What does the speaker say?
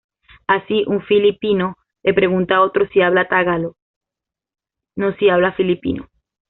Así, un filipino le pregunta a otro si habla "tagalo", no si habla "filipino".